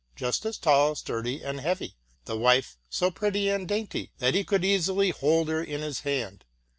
just as tall, sturdy, and heavy ; the wife so pretty and dainty, that he could easily hold her in his hand.